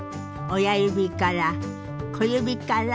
親指から小指から。